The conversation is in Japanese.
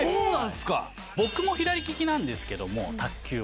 僕も左利きなんですけど卓球は。